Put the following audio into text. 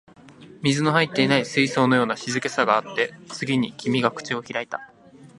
水の入っていない水槽のような静けさがあって、次に君が口を開いた